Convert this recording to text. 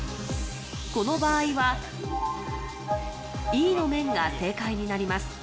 この場合はＥの面が正解になります